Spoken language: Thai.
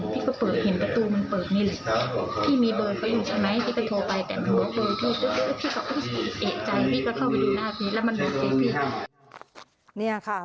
พี่ก็เอ่ยใจพี่ก็เข้าไปดูหน้าพี่แล้วมันบอกเจ๊พี่